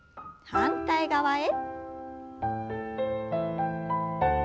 反対側へ。